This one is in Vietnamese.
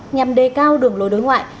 nhằm đề cao đường lối đối ngoại